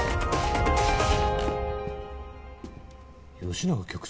吉永局長。